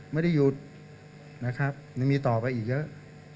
ไม่ได้หยุดนะครับยังมีต่อไปอีกเยอะ